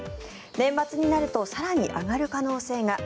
年末になると更に上がる可能性が。